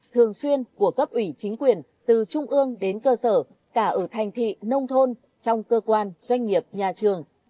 thường xuyên của cấp ủy chính quyền từ trung ương đến cơ sở cả ở thành thị nông thôn trong cơ quan doanh nghiệp nhà trường